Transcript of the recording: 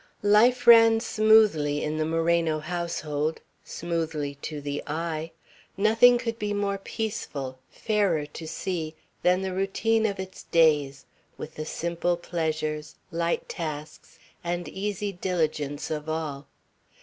Life ran smoothly in the Moreno household, smoothly to the eye. Nothing could be more peaceful, fairer to see, than the routine of its days, with the simple pleasures, light tasks, and easy diligence of all.